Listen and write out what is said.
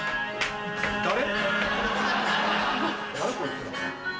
誰？